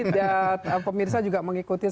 dan pemirsa juga mengikuti